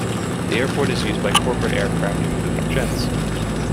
The airport is used by corporate aircraft including jets.